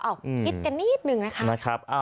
เอาคิดกันนิดนึงนะคะ